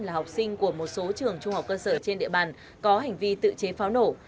là học sinh của một số trường trung học cơ sở trên địa bàn có hành vi tự chế pháo nổ